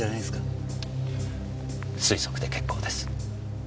推測で結構です。